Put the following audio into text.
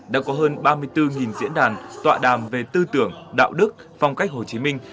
đã có hơn ba mươi bốn diễn đàn tọa đàm về tư tưởng đạo đức phong cách hồ chí minh